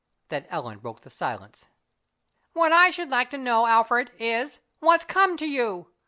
Then Ellen broke the silence. "What I should like to know, Alfred, is what's come to you?"